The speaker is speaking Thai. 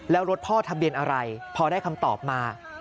แล้วรถพ่อทะเบียนอะไรพอได้คำตอบมา